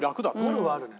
ゴルフはあるね。